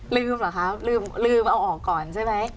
ลืมหรอครับลืมแล้วออกก่อนใช่ไหม